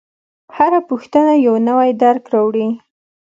هره پوښتنه یو نوی درک راوړي.